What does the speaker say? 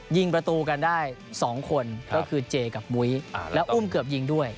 ยิงประตูกันได้๒คนก็คือเจกับมุ้ยแล้วอุ้มเกือบยิงด้วย